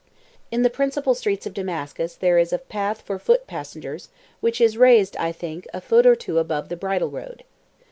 In the principal streets of Damascus there is a path for foot passengers, which is raised, I think, a foot or two above the bridle road.